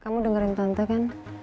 kamu dengerin tante kan